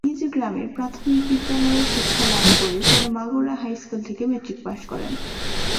নিজ গ্রামের প্রাথমিক বিদ্যালয়ে শিক্ষা লাভ করে পরে মাগুরা হাই স্কুল থেকে ম্যাট্রিক পাস করেন।